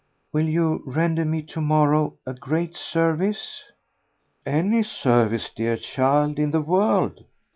"Will you render me to morrow a great service?" "Any service, dear child, in the world."